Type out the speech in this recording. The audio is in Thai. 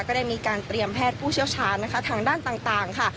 ก็ได้มีการเตรียมแพทย์ผู้เชี่ยวชาญนะคะทางด้านต่างค่ะ